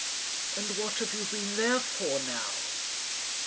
"And what have you been there for now?"